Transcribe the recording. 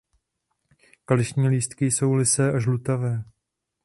Kališní lístky jsou lysé a žlutavé.